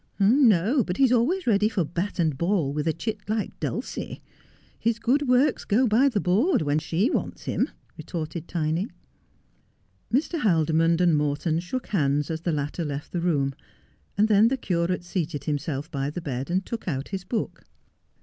' No, but he is always ready for bat and ball with a chit like Dulcie. His good works go by the board when she wants him,' retorted Tiny. Mr. Haldimond and Morton shook hands as the latter left the room, and then the curate seated himself by the bed, and took out his book.